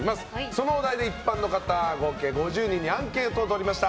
そのお題で一般の方合計５０人にアンケートをとりました。